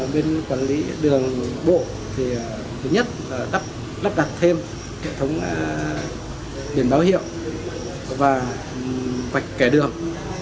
bên quản lý đường bộ thì thứ nhất là lắp đặt thêm hệ thống biển báo hiệu và vạch kẻ đường